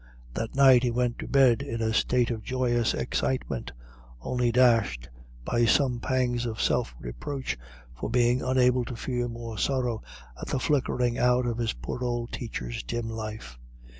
That night he went to bed in a state of joyous excitement, only dashed by some pangs of self reproach for being unable to feel more sorrow at the flickering out of his poor old teacher's dim life.